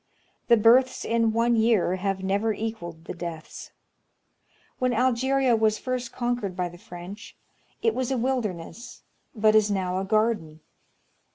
The births in one year have never equalled the deaths. When Algeria was first conquered by the French, it was a wilderness, but is now a garden.